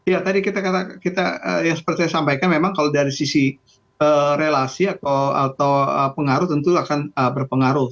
ya tadi kita seperti saya sampaikan memang kalau dari sisi relasi atau pengaruh tentu akan berpengaruh